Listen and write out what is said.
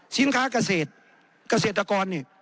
สินค้าเกษตรเกษตรกรนี่